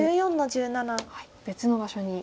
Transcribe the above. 別の場所に。